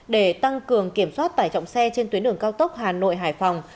để tăng cường kiểm soát tải trọng xe trên tuyến đường cao tốc hà nội hải phòng